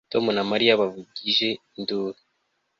Tom na Mariya bavugije induru